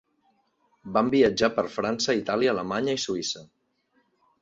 Van viatjar per França, Itàlia, Alemanya i Suïssa.